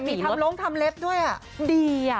เนาะพี่ดังเนาะดูสิโห